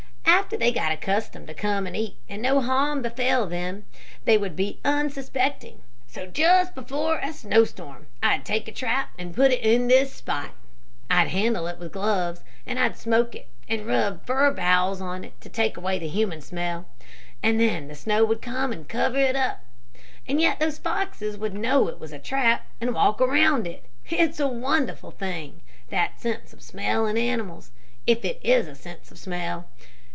After they got accustomed to come and eat and no harm befell them, they would be unsuspecting. So just before a snowstorm, I'd take a trap and put it in this spot. I'd handle it with gloves, and I'd smoke it, and rub fir boughs on it to take away the human smell, and then the snow would come and cover it up, and yet those foxes would know it was a trap and walk all around it. It's a wonderful thing, that sense of smell in animals, if it is a sense of smell.